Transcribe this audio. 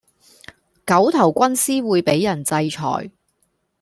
狗頭軍師會比人制裁